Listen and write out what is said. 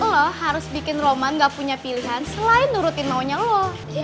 loh harus bikin roman gak punya pilihan selain nurutin maunya lo